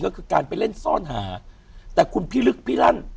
ก็คือการไปเล่นซ่อนหาแต่คุณพี่ลึกพี่ลั่น